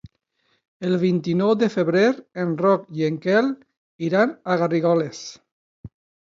El vint-i-nou de febrer en Roc i en Quel iran a Garrigoles.